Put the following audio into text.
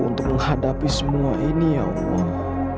untuk menghadapi semua ini ya allah